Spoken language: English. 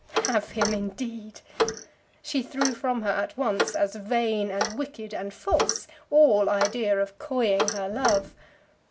Have him, indeed! She threw from her, at once, as vain and wicked and false, all idea of coying her love.